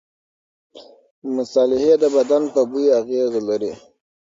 مصالحې د بدن په بوی اغېزه لري.